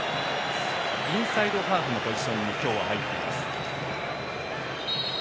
フランスのインサイドハーフのポジションに今日は入っています。